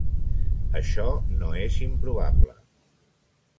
Això no és improbable.